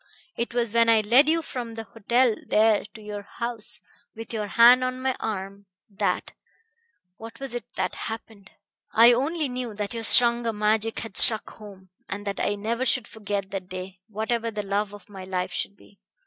It was when I led you from the hotel there to your house, with your hand on my arm, that what was it that happened? I only knew that your stronger magic had struck home, and that I never should forget that day, whatever the love of my life should be.